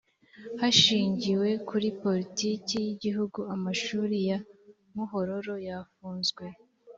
hashingiwe kuri politiki y’igihugu amashuli ya muhororo yafunzwe